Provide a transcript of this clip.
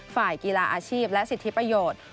ฝ่ายกีฬาอาชีพและสิทธิประโยชน์